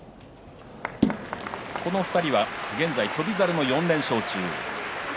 この２人が現在翔猿の４連勝中。